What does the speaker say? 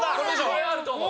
これあると思う。